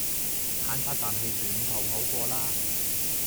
慳番啖氣暖肚好過啦